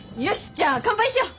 じゃあ乾杯しよう。